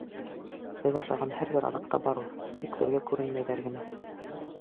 — Беҙ ашаған һәр бер аҙыҡта бар ул, тик беҙгә күренмәйҙәр генә.